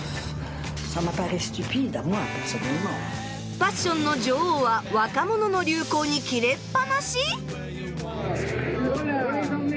ファッションの女王は若者の流行にキレっぱなし？